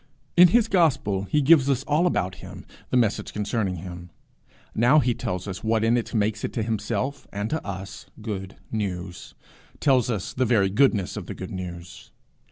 In his gospel he gives us all about him, the message concerning him; now he tells us what in it makes it to himself and to us good news tells us the very goodness of the good news.